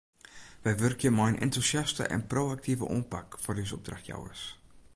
Wy wurkje mei in entûsjaste en pro-aktive oanpak foar ús opdrachtjouwers.